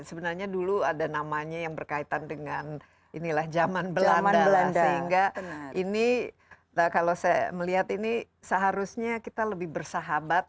sebenarnya dulu ada namanya yang berkaitan dengan inilah zaman belanda sehingga ini kalau saya melihat ini seharusnya kita lebih bersahabat